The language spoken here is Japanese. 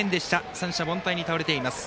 三者凡退に倒れています。